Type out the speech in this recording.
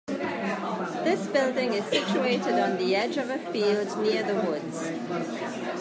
This building is situated on the edge of the field near the woods.